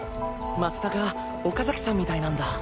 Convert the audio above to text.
松田が岡崎さんみたいなんだ。